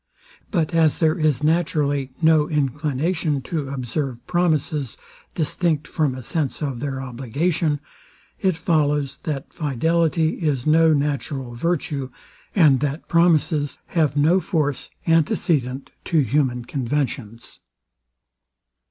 But as there is naturally no inclination to observe promises, distinct from a sense of their obligation; it follows, that fidelity is no natural virtue, and that promises have no force, antecedent to human conventions.